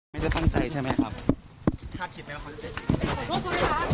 ไม่ได้ตั้งใจใช่ไหมครับถ้าเก็บแล้วขอโทษคุณหน่อยครับ